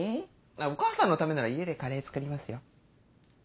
お義母さんのためなら家でカレー作りますよ。